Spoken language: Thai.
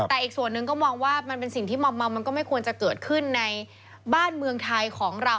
แต่อีกส่วนหนึ่งก็มองว่ามันเป็นสิ่งที่มอมเมามันก็ไม่ควรจะเกิดขึ้นในบ้านเมืองไทยของเรา